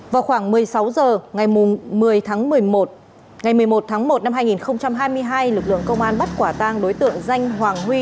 vào khoảng một mươi sáu h ngày một mươi một tháng một năm hai nghìn hai mươi hai lực lượng công an bắt quả tang đối tượng danh hoàng huy